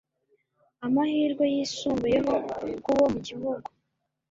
Amahirwe yisumbuyeho ku bo mu gihugu